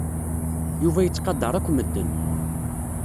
Yuba yettqadar akk medden.